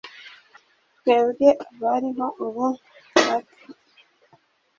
Twebwe abariho ubu turapfa